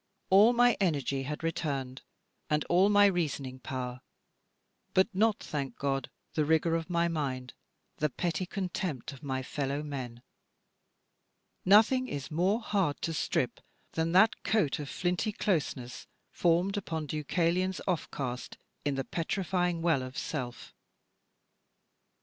All my energy had returned, and all my reasoning power; but not, thank God, the rigour of my mind, the petty contempt of my fellow men. Nothing is more hard to strip than that coat of flinty closeness formed upon Deucalion's offcast in the petrifying well of self.